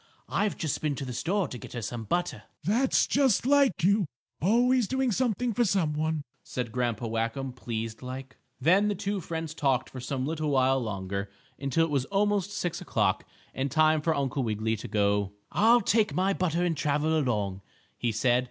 I've just been to the store to get her some butter." "That's just like you; always doing something for some one," said Grandpa Whackum, pleased like. Then the two friends talked for some little while longer, until it was almost 6 o'clock, and time for Uncle Wiggily to go. "I'll take my butter and travel along," he said.